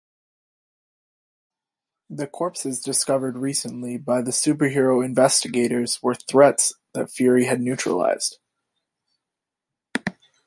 The corpses discovered recently by the superhero investigators were threats that Fury had neutralized.